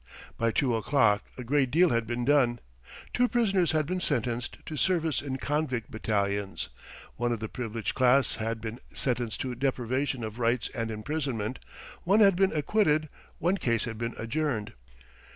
... By two o'clock a great deal had been done: two prisoners had been sentenced to service in convict battalions, one of the privileged class had been sentenced to deprivation of rights and imprisonment, one had been acquitted, one case had been adjourned.